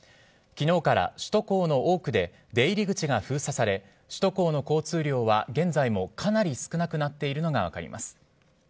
昨日から首都高の多くで出入り口が封鎖され首都高の交通量は現在もかなり少なくなっているのが分かります。